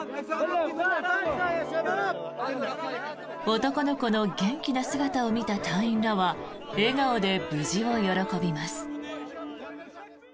男の子の元気な姿を見た隊員らは笑顔で無事を喜びます。